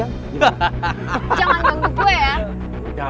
jangan ganggu gue ya